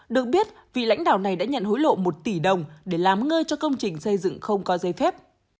được biết vị lãnh đạo này đã nhận hối lộ một tỷ đồng để làm ngơ cho công trình xây dựng không có giấy phép